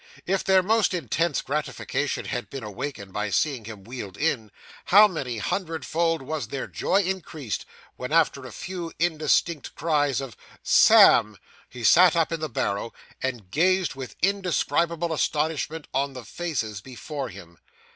If their most intense gratification had been awakened by seeing him wheeled in, how many hundredfold was their joy increased when, after a few indistinct cries of 'Sam!' he sat up in the barrow, and gazed with indescribable astonishment on the faces before him.